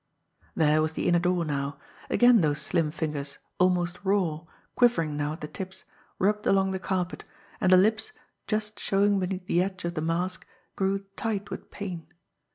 There was the inner door now. Again those slim fingers, almost raw, quivering now at the tips, rubbed along the carpet, and the lips, just showing beneath the edge of the mask, grew tight with pain.